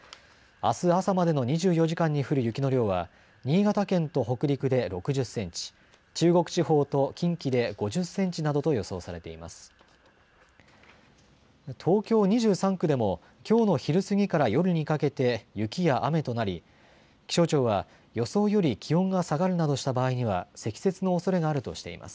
あす朝までの２４時間に降る雪の量は新潟県と北陸で６０センチ、中国地方と近畿で５０センチなどと予想されています。